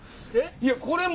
いやこれも。